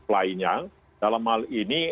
lainnya dalam hal ini